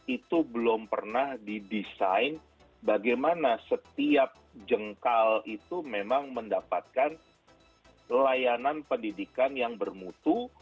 itu belum pernah didesain bagaimana setiap jengkal itu memang mendapatkan layanan pendidikan yang bermutu